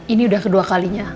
ini udah kedua kalinya